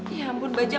ya ampun bajak